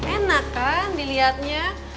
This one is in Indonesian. enak kan dilihatnya